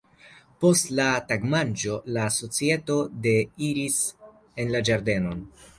Post la tagmanĝo la societo deiris en la ĝardenon.